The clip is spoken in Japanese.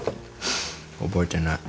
覚えてない。